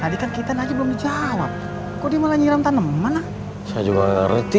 hai tadi kan kita lagi belum jawab kok dia malah nyiram tanaman saya juga ngerti